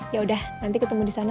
yaudah nanti ketemu di sana